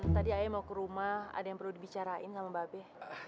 tadi ae mau ke rumah ada yang perlu dibicarain sama mba be